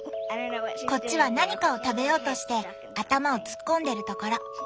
こっちは何かを食べようとして頭を突っ込んでるところ。